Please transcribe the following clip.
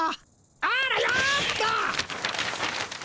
あらよっと！